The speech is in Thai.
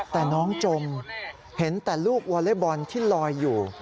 แต่น้องจมเห็นแต่ลูกวอเล็กบอลที่ลอยอยู่